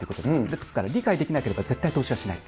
ですから理解できなければ絶対投資はしない。